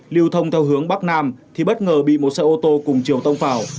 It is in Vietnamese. lưu thông theo hướng bắc nam thì bất ngờ bị một xe ô tô cùng chiều tông vào